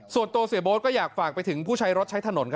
ส่วนตัวเสียโบ๊ทก็อยากฝากไปถึงผู้ใช้รถใช้ถนน